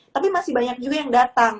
tapi masih banyak juga yang datang